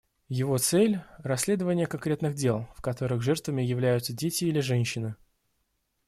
Его цель — расследование конкретных дел, в которых жертвами являются дети или женщины.